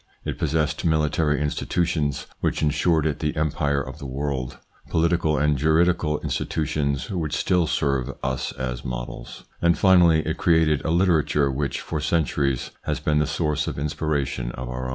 It possessed military institutions which insured it the empire of the world ; political and juridical institu tions which still serve us as models ; and finally, it created a literature which for centuries has been the source of inspiration of our own.